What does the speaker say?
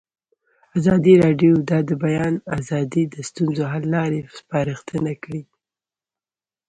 ازادي راډیو د د بیان آزادي د ستونزو حل لارې سپارښتنې کړي.